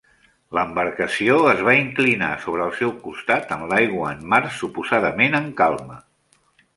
L'embarcació es va inclinar sobre el seu costat en l'aigua en mars suposadament en calma.